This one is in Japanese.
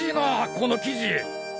この記事！